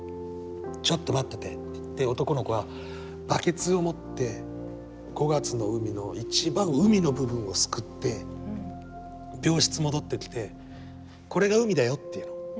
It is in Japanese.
「ちょっと待ってて」って言って男の子はバケツを持って５月の海の一番海の部分をすくって病室戻ってきて「これが海だよ」って言うの。